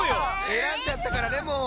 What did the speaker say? えらんじゃったからねもう。